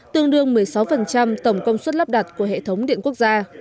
tương đương một mươi sáu tổng công suất lắp đặt của hệ thống điện quốc gia